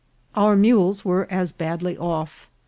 Our mules were as badly off.